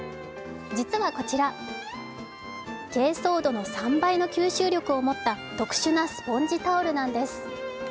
実はこちら、けいそう土の３倍の吸収力を持った特殊なスポンジタオルなんです。